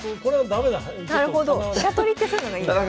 飛車取りってそういうのがいいんですね。